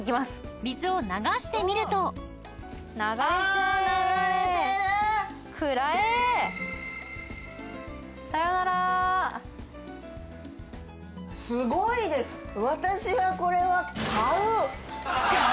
すごいです。